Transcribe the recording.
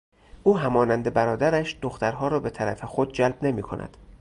او همانند برادرش دخترها را به طرف خود جلب نمیکند.